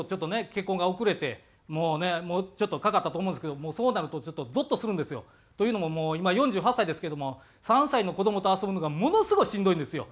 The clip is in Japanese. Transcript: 結婚が遅れてもうちょっとかかったと思うんですけどそうなるとぞっとするんですよ。というのも今４８歳ですけども３歳の子どもと遊ぶのがものすごいしんどいんですよ。